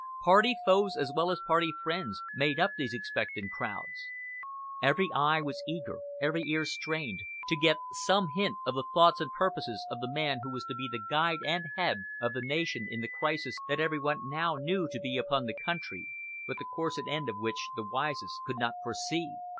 Party foes as well as party friends made up these expectant crowds. Every eye was eager, every ear strained, to get some hint of the thoughts and purposes of the man who was to be the guide and head of the nation in the crisis that every one now knew to be upon the country, but the course and end of which the wisest could not foresee.